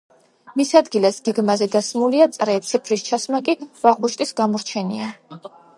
მის ადგილას გეგმაზე დასმულია წრე, ციფრის ჩასმა კი ვახუშტის გამორჩენია.